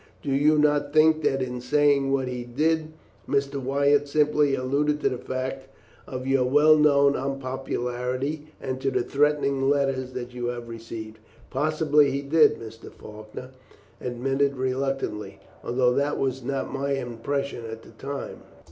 Do you not think that in saying what he did Mr. Wyatt simply alluded to the fact of your well known unpopularity, and to the threatening letters that you have received?" "Possibly he did," Mr. Faulkner admitted reluctantly, "although that was not my impression at the time."